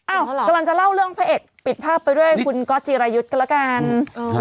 กำลังจะเล่าเรื่องพระเอกปิดภาพไปด้วยคุณก๊อตจีรายุทธ์ก็แล้วกัน